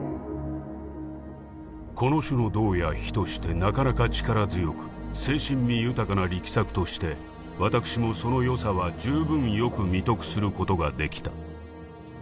「この種の堂や碑としてなかなか力強く清新味豊かな力作としてわたくしもそのよさは充分よく味得することができた」。